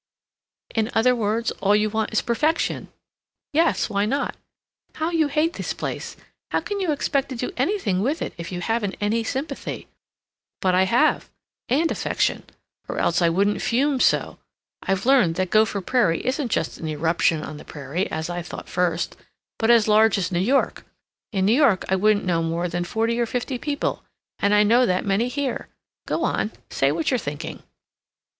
"In other words, all you want is perfection?" "Yes! Why not?" "How you hate this place! How can you expect to do anything with it if you haven't any sympathy?" "But I have! And affection. Or else I wouldn't fume so. I've learned that Gopher Prairie isn't just an eruption on the prairie, as I thought first, but as large as New York. In New York I wouldn't know more than forty or fifty people, and I know that many here. Go on! Say what you're thinking."